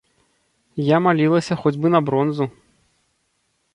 Я малілася хоць бы на бронзу.